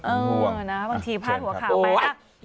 เออบางทีพลาดหัวข่าวไป